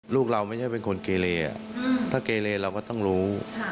ลูกเราไม่ใช่เป็นคนเกเลถ้าเกเลเราก็ต้องรู้